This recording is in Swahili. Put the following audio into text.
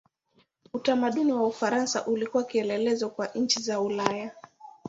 Utamaduni wa Ufaransa ulikuwa kielelezo kwa nchi za Ulaya.